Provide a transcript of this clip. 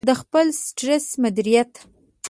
-د خپل سټرس مدیریت